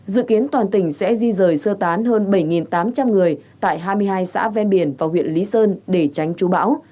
dự kiến toàn tỉnh sẽ di rời sơ tán hơn bảy tám trăm linh người tại hai mươi hai xã ven biển và huyện lý sơn để tránh chú bão